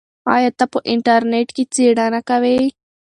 آیا ته په انټرنیټ کې څېړنه کوې؟